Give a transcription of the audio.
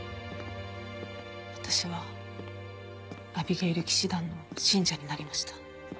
私はアビゲイル騎士団の信者になりました。